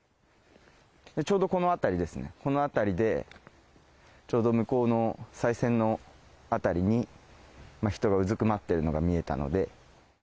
ちょうどこの辺りですね、この辺りで、ちょうど向こうのさい銭の辺りに、人がうずくまってるのが見えたので。